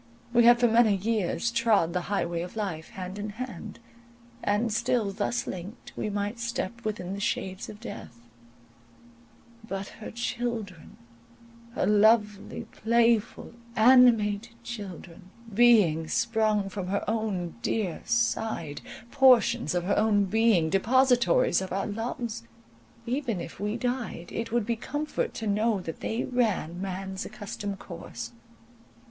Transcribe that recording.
We had for many years trod the highway of life hand in hand, and still thus linked, we might step within the shades of death; but her children, her lovely, playful, animated children—beings sprung from her own dear side—portions of her own being—depositories of our loves—even if we died, it would be comfort to know that they ran man's accustomed course.